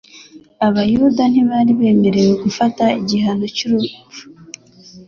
Abayuda ntibari bemerewe gutanga igihano cy'urupfu